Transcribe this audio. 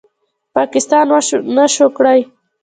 پاکستان ونشو کړې